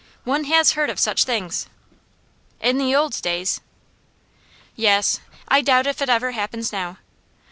One has heard of such things.' 'In the old days.' 'Yes. I doubt if it ever happens now.